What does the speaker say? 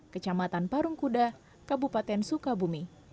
kecamatan parungkuda kabupaten sukabumi